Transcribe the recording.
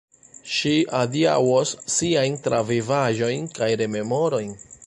Ŝi adiaŭos siajn travivaĵojn kaj rememorojn.